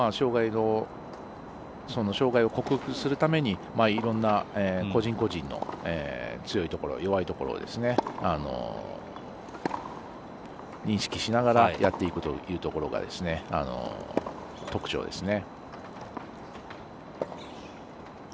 障がいを克服するためにいろんな個人個人の強いところ弱いところを認識しながらやっていくというところが特徴ですね。